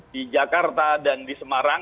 di jakarta dan di semarang